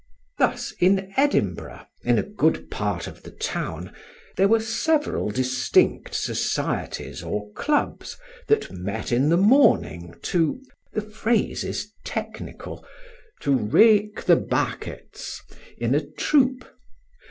Thus in Edinburgh, in a good part of the town, there were several distinct societies or clubs that met in the morning to the phrase is technical to "rake the backets" in a troop.